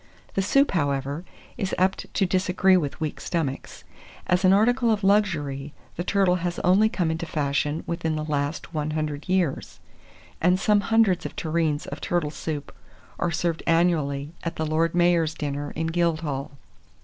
The soup, however, is apt to disagree with weak stomachs. As an article of luxury, the turtle has only come into fashion within the last 100 years, and some hundreds of tureens of turtle soup are served annually at the lord mayor's dinner in Guildhall.